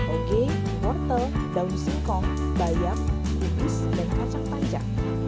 oge nortel daun singkong bayam kubis dan kacang panjang